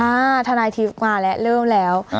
อ่าเธอนายทิศมาแล้วเริ่มแล้ว